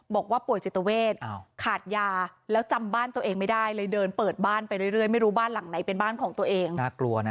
บอกว่าป่วยจิตเวทขาดยาแล้วจำบ้านตัวเองไม่ได้เลยเดินเปิดบ้านไปเรื่อยไม่รู้บ้านหลังไหนเป็นบ้านของตัวเองน่ากลัวนะ